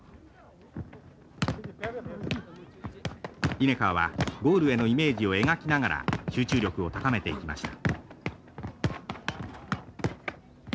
リネカーはゴールへのイメージを描きながら集中力を高めていきました。